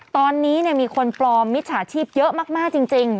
ตอนนี้มีคนปลอมมิจฉาชีพเยอะมากจริง